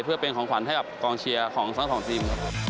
เพื่อเป็นของขวัญให้กับกองเชียร์ของสนับสนุน